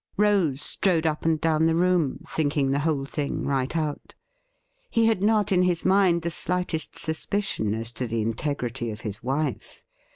Rose strode up and down the room, thinking the whole thing right out. He had not in his mind the slightest suspicion as to the integrity of his wife.